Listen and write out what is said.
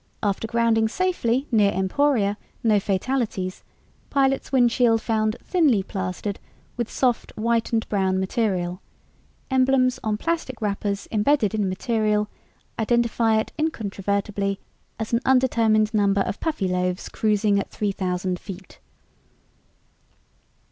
After grounding safely near Emporia no fatalities pilot's windshield found thinly plastered with soft white and brown material. Emblems on plastic wrappers embedded in material identify it incontrovertibly as an undetermined number of Puffyloaves cruising at three thousand feet!"